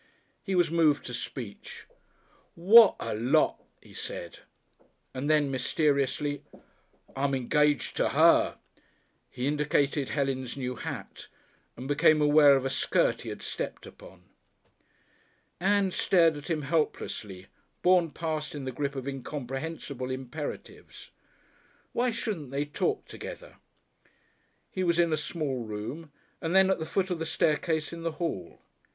He was moved to speech. "What a Lot!" he said, and then mysteriously, "I'm engaged to her." He indicated Helen's new hat, and became aware of a skirt he had stepped upon. Ann stared at him helplessly, borne past in the grip of incomprehensible imperatives. Why shouldn't they talk together? He was in a small room, and then at the foot of the staircase in the hall.